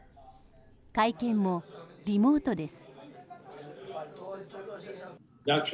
会見もリモートです。